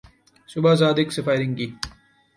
صبح صادق سے فائرنگ کی